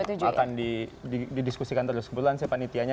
tapi akan didiskusikan terus kebetulan si panitianya